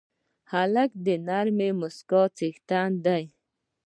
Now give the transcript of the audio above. هلک د نرمې موسکا څښتن دی.